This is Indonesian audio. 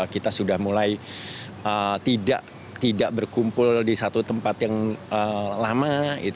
kita sudah mulai tidak berkumpul di satu tempat yang lama